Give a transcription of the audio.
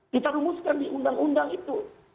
kita rumuskan di undang undang itu